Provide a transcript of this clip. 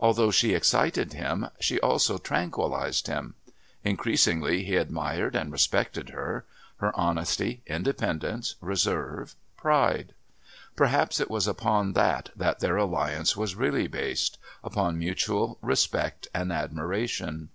Although she excited him she also tranquillised him. Increasingly he admired and respected her her honesty, independence, reserve, pride. Perhaps it was upon that that their alliance was really based upon mutual respect and admiration.